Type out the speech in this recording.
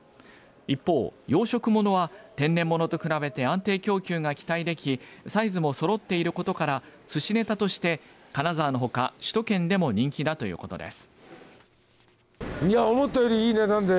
一方、養殖ものは天然ものと比べて安定供給が期待できサイズもそろっていることからすしネタとして、金沢のほか首都圏でも人気だということです。